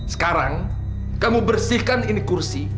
sekarang kamu bersihkan ini kursi